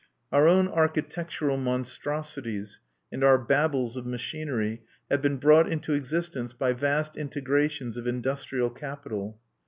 Our own architectural monstrosities and our Babels of machinery have been brought into existence by vast integrations of industrial capital.